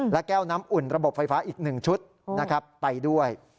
และแก้วน้ำอุ่นระบบไฟฟ้าอีก๑ชุดนะครับไปด้วย